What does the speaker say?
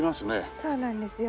そうなんですよ。